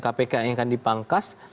kpk yang akan dipangkas